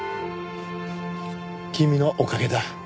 君のおかげだ。